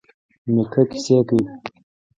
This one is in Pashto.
نیکه کیسې کوي.